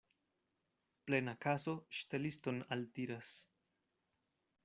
Plena kaso ŝteliston altiras.